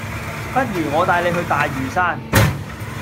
不如我帶你去大嶼山